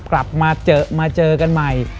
กลับมาเจอมาเจอกันใหม่